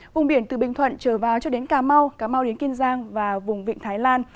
vùng biển từ bình thuận trở vào cho đến cà mau cà mau đến kiên giang và vùng vịnh thái lan